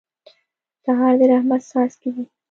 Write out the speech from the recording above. سهار د رحمت څاڅکي دي.